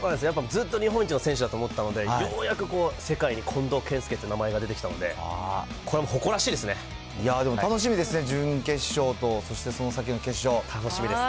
ずっと日本一の選手だと思ったので、ようやく世界に近藤健介って名前が出てきたので、これは誇らしいいやでも楽しみですね、準決勝と、そしてその先の決勝、楽しみです。